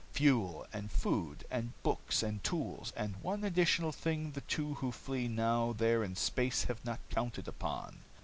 Fuel, and food, and books, and tools. And one additional thing the two who flee now there in space have not counted upon.